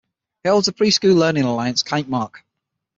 It holds the Pre School Learning Alliance kite mark.